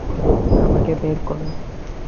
আমাকে বের করো!